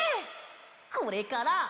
これから。